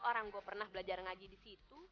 orang gue pernah belajar ngaji disitu